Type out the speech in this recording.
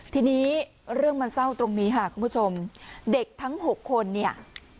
ทีนี้เรื่องมันเศร้าตรงนี้ค่ะคุณผู้ชมเด็กทั้ง๖คนเนี่ย